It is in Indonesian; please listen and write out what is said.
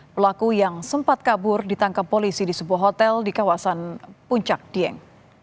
pelaku yang sempat kabur ditangkap polisi di sebuah hotel di kawasan puncak dieng